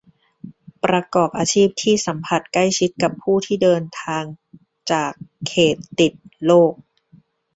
ประกอบอาชีพที่สัมผัสใกล้ชิดกับผู้ที่เดินทางมาจากเขตติดโรค